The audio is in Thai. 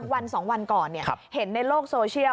วัน๒วันก่อนเห็นในโลกโซเชียล